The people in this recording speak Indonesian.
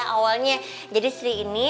awalnya jadi istri ini